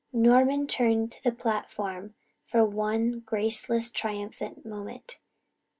Norman turned to the platform for one graceless, triumphant moment.